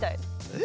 え？